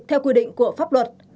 theo quy định của pháp luật